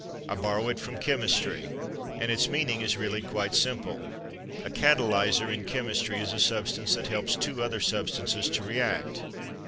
I borrow it from chemistry, and its meaning is really quite simple. A catalyzer, in chemistry, is a substance that helps two other substances to react.